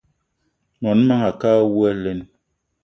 Mon manga a ke awou alen!